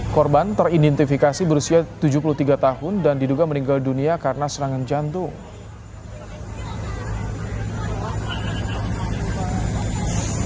korban teridentifikasi berusia tujuh puluh tiga tahun dan diduga meninggal dunia karena serangan jantung